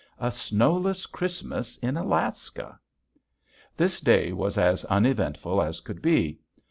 A snowless Christmas in Alaska! This day was as uneventful as could be.